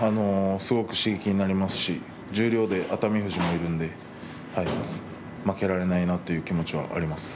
すごく刺激になりますし十両で熱海富士がいるので負けられないなという気持ちはあります。